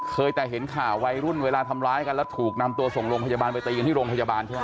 แต่เห็นข่าววัยรุ่นเวลาทำร้ายกันแล้วถูกนำตัวส่งโรงพยาบาลไปตีกันที่โรงพยาบาลใช่ไหม